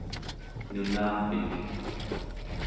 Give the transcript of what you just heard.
nunapik